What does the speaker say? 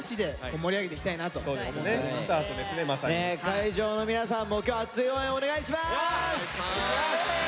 会場の皆さんも今日熱い応援お願いします！